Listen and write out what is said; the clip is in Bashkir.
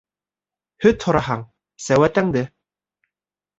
Һөт һораһаң, сеүәтәңде